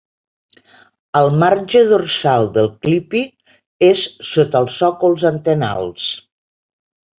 El marge dorsal del clipi és sota els sòcols antenals.